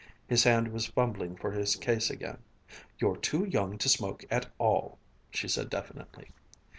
His hand was fumbling for his case again. "You're too young to smoke at all," she said definitely.